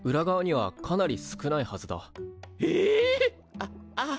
あっああ